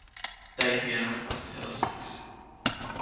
daí vieram as nossas relações.